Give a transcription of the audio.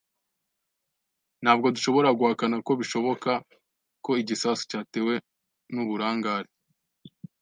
Ntabwo dushobora guhakana ko bishoboka ko igisasu cyatewe n'uburangare.